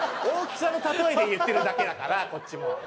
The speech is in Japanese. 大きさの例えで言ってるだけだからこっちも。